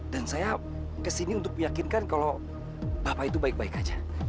dan saya kesini untuk meyakinkan kalau bapak itu baik baik aja